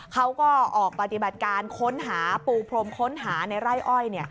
เขาก็ออกปฏิบัติการค้นหาปูพรมค้นหาในไร่อ้อย